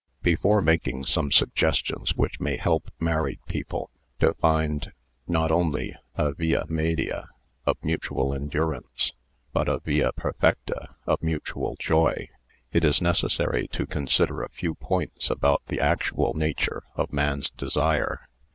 Before making some suggestions which may help married people to find not only a via media of mutual endurance, but a via perfecta of mutual joy, it is necessary to consider a few points about the actual nature of man's " desire."